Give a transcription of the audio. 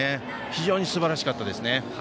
非常にすばらしかったですね。